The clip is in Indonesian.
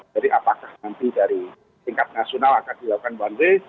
jadi apakah nanti dari tingkat nasional akan dilakukan banwe